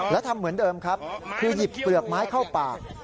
แล้วทำเหมือนเดิมครับคือหยิบเปลือกไม้เข้าปาก